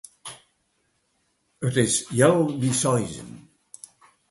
It is healwei seizen.